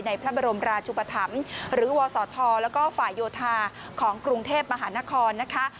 พระบรมราชุปธรรมหรือวศธแล้วก็ฝ่ายโยธาของกรุงเทพมหานครนะคะ